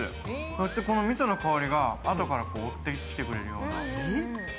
そして、みその香りが後から追ってきてくれるような。